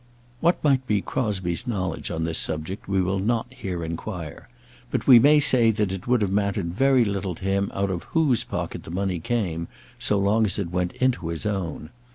What might be Crosbie's knowledge on this subject we will not here inquire; but we may say that it would have mattered very little to him out of whose pocket the money came, so long as it went into his own.